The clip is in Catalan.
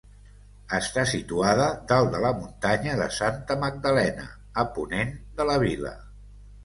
Està situada dalt de la Muntanya de Santa Magdalena, a ponent de la vila.